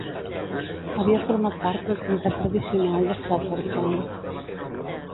Havia format part del comtat tradicional de Staffordshire.